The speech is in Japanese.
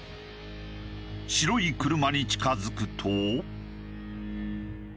白い車に近づくと。